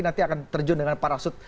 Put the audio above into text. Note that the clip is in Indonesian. nanti akan terjun dengan parasut